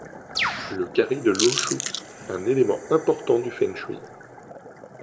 Le carré de Luo Shu un élément important du Feng shui.